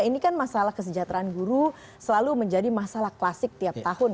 ini kan masalah kesejahteraan guru selalu menjadi masalah klasik tiap tahun